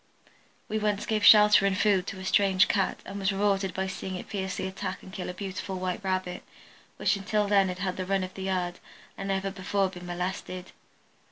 We once gave shelter and food to a strange Cat and was rewarded by seeing it fiercely attack and kill a beautiful white Rabbit which until then had had the run of the yard and never before been molested.